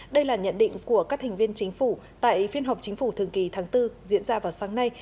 đây là nhận định của các thành viên chính phủ tại phiên họp chính phủ thường kỳ tháng bốn diễn ra vào sáng nay